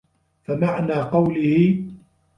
فَمَعْنَى قَوْلِهِ